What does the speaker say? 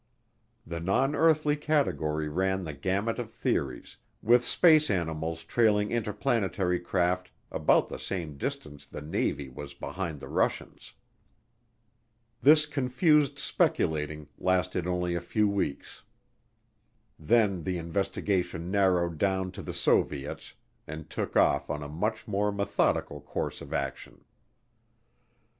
The non earthly category ran the gamut of theories, with space animals trailing interplanetary craft about the same distance the Navy was behind the Russians. This confused speculating lasted only a few weeks. Then the investigation narrowed down to the Soviets and took off on a much more methodical course of action.